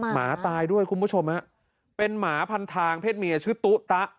หมาตายด้วยคุณผู้ชมฮะเป็นหมาพันทางเพศเมียชื่อตุ๊ตะ